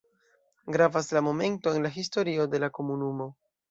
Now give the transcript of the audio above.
Gravas la momento en la historio de la komunumo.